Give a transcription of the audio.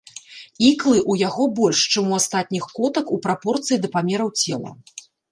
Іклы ў яго больш, чым у астатніх котак ў прапорцыі да памераў цела.